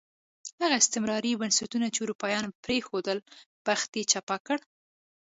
هغه استعماري بنسټونه چې اروپایانو پرېښودل، بخت یې چپه کړ.